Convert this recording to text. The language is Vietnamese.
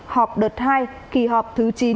họp đợt hai kỳ họp thứ chín